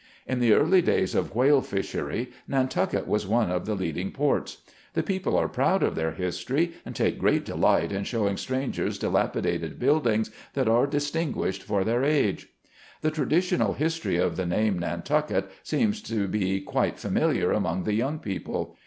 In the early days of whale fishery Nantucket was one of the leading ports. The people are proud of their history, and take great delight in showing strangers dilapidated buildings, that are distin guished for their age. The traditional history of the name Nantucket, seems to be quite familiar among the young people.